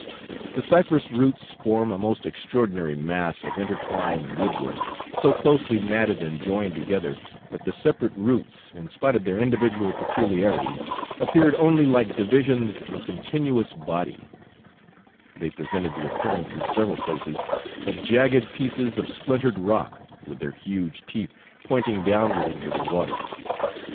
The cypress roots form a most extraordinary mass of intertwined wood work, so closely matted and joined together, that the separate roots, in spite of their individual peculiarities, appeared only like divisions of a continuous body; they presented the appearance in several places of jagged pieces of splintered rock, with their huge teeth pointing downward into the water.